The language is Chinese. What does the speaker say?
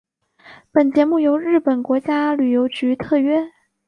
本节目由日本国家旅游局特约。